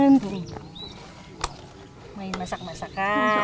nyanyi suka gak